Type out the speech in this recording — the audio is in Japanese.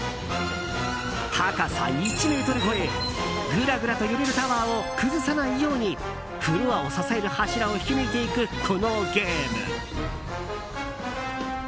高さ１ｍ超えグラグラと揺れるタワーを崩さないようにフロアを支える柱を引き抜いていく、このゲーム。